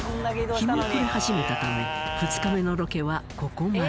日も暮れ始めたため２日目のロケはここまで。